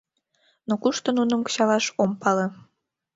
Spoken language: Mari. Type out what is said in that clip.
Но кушто нуным кычалаш — ом пале.